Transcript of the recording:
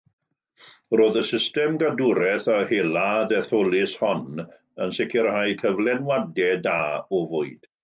Roedd y system gadwraeth a hela ddetholus hon yn sicrhau cyflenwadau da o fwyd.